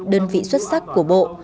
đơn vị xuất sắc của bộ